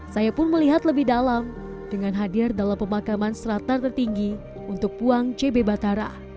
saya pun melihat lebih dalam dengan hadir dalam pemakaman sratar tertinggi untuk puang cb batara